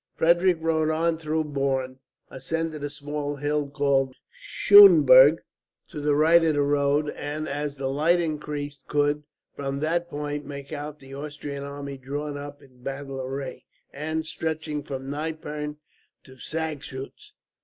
Frederick rode on through Borne, ascended a small hill called the Scheuberg, to the right of the road, and as the light increased could, from that point, make out the Austrian army drawn up in battle array, and stretching from Nypern to Sagschuetz.